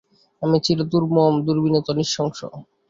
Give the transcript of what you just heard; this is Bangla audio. আমি চিরদূর্দম, দুর্বিনীত, নৃশংস।